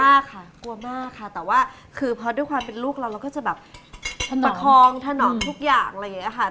มากค่ะกลัวมากค่ะแต่ว่าคือพอด้วยความเป็นลูกเราเราก็จะแบบประคองถนอมทุกอย่างอะไรอย่างนี้ค่ะ